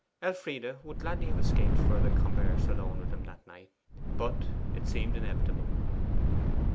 Elfride would gladly have escaped further converse alone with him that night, but it seemed inevitable.